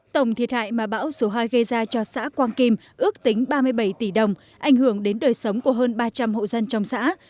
tổng thiệt hại mà bão số hai gây ra cho xã quang kim ước tính ba mươi bảy tỷ đồng ảnh hưởng đến đời sống của hơn ba trăm linh hộ dân trong xã